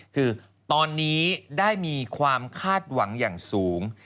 คือตอนนี้ได้มีความคาดหวังอย่างสูง